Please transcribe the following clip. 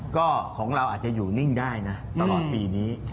ก็ของเราอาจจะอยู่นิ่งได้นะตลอดปีนี้